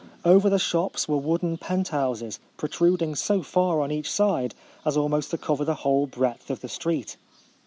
Over the shops were wooden penthouses, protrud ing so far on each side as almost to cover the 'whole breadth of the street.